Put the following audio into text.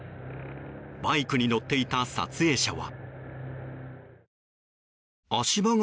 バイクに乗っていた撮影者は。